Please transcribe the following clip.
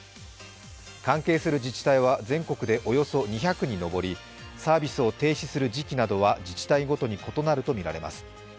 関係する自治体は全国でおよそ２００に上りサービスを停止する時期などは自治体ごとに異なるとみられます。